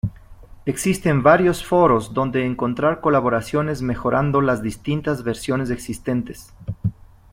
Existen varios foros donde encontrar colaboraciones mejorando las distintas versiones existentes.